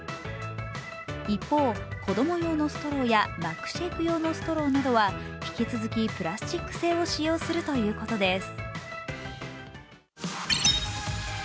一方、子供用のストローやマックシェイク用のストローは引き続き、プラスチック製を使用するということです。